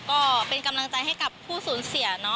ก็เป็นกำลังใจให้กับผู้สูญเสีย